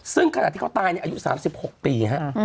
ซึ่งขณะที่เขาตายอายุ๓๖ปีฮะ